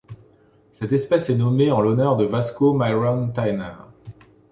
Cette espèce est nommée en l'honneur de Vasco Myron Tanner.